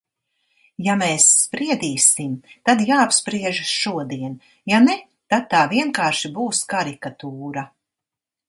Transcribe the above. Ja mēs spriedīsim, tad jāapspriež šodien, ja ne, tad tā vienkārši būs karikatūra.